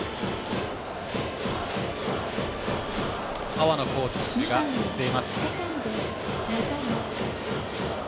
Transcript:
阿波野コーチが出ます。